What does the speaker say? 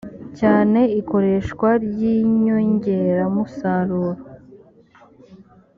cyane ikoreshwa ry inyongeramusaruro